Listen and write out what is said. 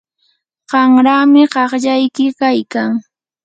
qanrami qaqllayki kaykan.